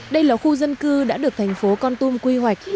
đây là khu dân cư đã được thành phố con tum quy hoạch